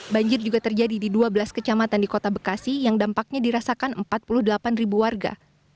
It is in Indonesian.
banjir juga terjadi di dua belas kecamatan di kota bekasi yang dampaknya dirasakan empat puluh delapan ribu warga